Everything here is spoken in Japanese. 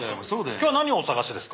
今日何をお探しですか？